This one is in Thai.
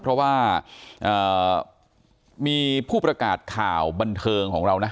เพราะว่ามีผู้ประกาศข่าวบันเทิงของเรานะ